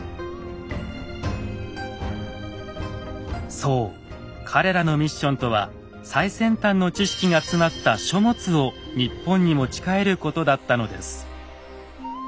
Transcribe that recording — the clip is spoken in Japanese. そう彼らのミッションとは最先端の知識が詰まった書物を日本に持ちかえることだったのです。